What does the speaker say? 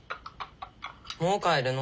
もう帰るの？